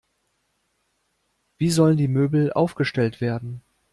Wie sollen die Möbel aufgestellt werden?